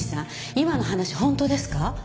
今の話本当ですか？